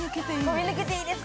◆飛び抜けていいです。